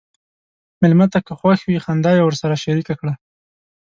مېلمه ته که خوښ وي، خنداوې ورسره شریکه کړه.